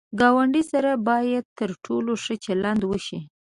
ګاونډي سره باید تر ټولو ښه چلند وشي